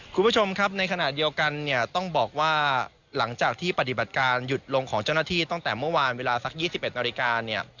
คุณผู้ชมครับในขณะเดียวกันเนี่ยต้องบอกว่าหลังจากที่ปฏิบัติการหยุดลงของเจ้าหน้าที่ตั้งแต่เมื่อวานเวลาสัก๒๑นาฬิกาเนี่ย